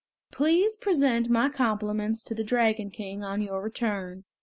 Please present my compliments to the Dragon King on your return!"